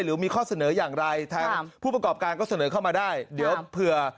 หรือมีข้อเสนออย่างไรทางผู้ประกอบการก็เสนอเข้ามาได้เดี๋ยวเผื่อ